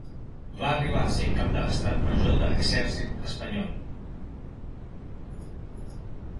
Va arribar a ser Cap de l'Estat Major de l'Exèrcit espanyol.